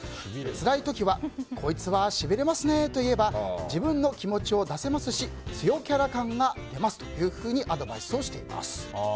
つらい時はこいつはしびれますねぇ！と言えば自分の気持ちを出せますし強キャラ感が出ますとアドバイスしています。